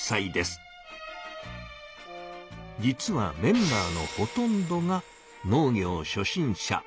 実はメンバーのほとんどが農業初心者。